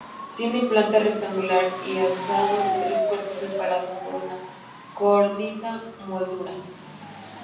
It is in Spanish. Tiene planta rectangular y alzado de tres cuerpos, separados por una cornisa moldurada.